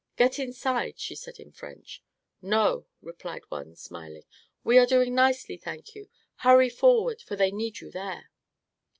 "Get inside," she said in French. "No," replied one, smiling; "we are doing nicely, thank you. Hurry forward, for they need you there."